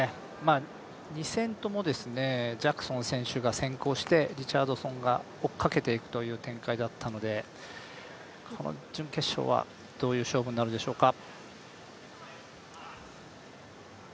２戦ともジャクソン選手が先行してリチャードソンが追っかけていくという展開だったのでこの準決勝はどういう勝負になるでしょうか。